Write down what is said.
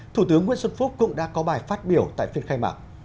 thủ tướng nguyễn xuân phúc cũng đã có bài phát biểu tại phiên khai mạc